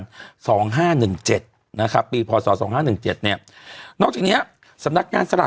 เป็นการกระตุ้นการไหลเวียนของเลือด